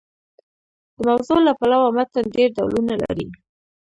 د موضوع له پلوه متن ډېر ډولونه لري.